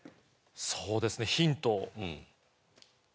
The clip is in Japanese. そうですねヒント。